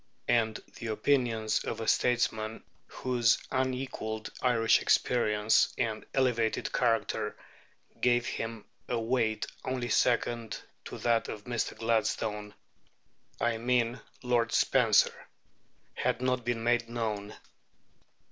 And the opinions of a statesman whose unequalled Irish experience and elevated character gave him a weight only second to that of Mr. Gladstone I mean Lord Spencer had not been made known.